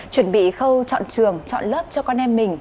chuẩn bị khâu chọn trường chọn lớp cho con em mình